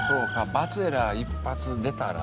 『バチェラー』一発出たら。